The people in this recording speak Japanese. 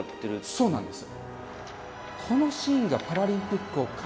そうなんです。